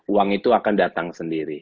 uang itu akan datang sendiri